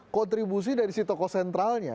kontribusi dari si tokoh sentralnya